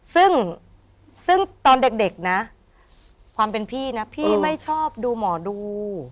ซึ่งตอนเด็กนะความเป็นพี่นะพี่ไม่ชอบดูหมอดู